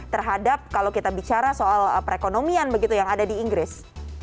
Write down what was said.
terhadap kalau kita bicara soal perekonomian begitu yang ada di inggris